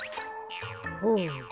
ほう。